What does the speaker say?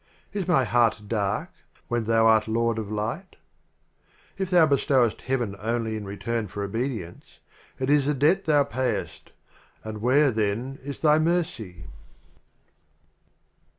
Is my Heart dark — when Thou art Lord of Light ? If Thou bestowest Heaven only in return for Obedience, It is a Debt Thou pay est, — and where, then, is Thy Mercy?